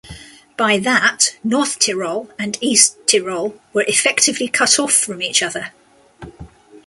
By that, North Tyrol and East Tyrol were effectively cut off from each other.